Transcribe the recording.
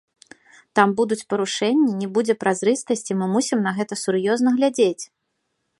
Там будуць парушэнні, не будзе празрыстасці, мы мусім на гэта сур'ёзна глядзець.